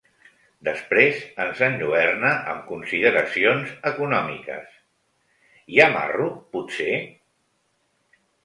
Després ens enlluerna amb consideracions econòmiques —"Hi ha marro, potser?